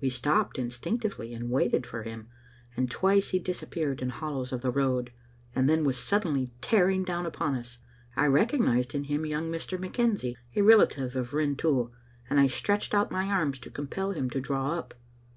We stopped instinctively, and waited for him, and twice he disappeared in hollows of the road, and then was suddenly tearing down upon us. I recognised in him young Mr. McKenzie, a relative of Rintoul, and I stretched out my arms to compel him to draw up.